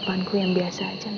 agar aku lempar kagum